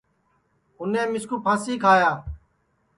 اُنے مِسکُو پھانٚسی کھایا